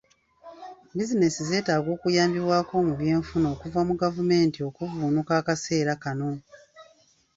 Bizinensi zeetaaga okuyambibwako mu byenfuna okuva mu gavumenti okuvvuunuka akaseera kano.